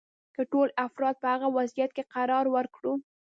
که ټول افراد په هغه وضعیت کې قرار ورکړو.